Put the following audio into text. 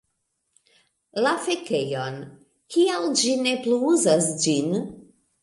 La fekejon. Kial ĝi ne plu uzas ĝin.